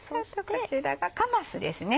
こちらがかますですね。